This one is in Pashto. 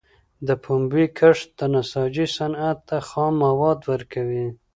د پنبي کښت د نساجۍ صنعت ته خام مواد ورکوي.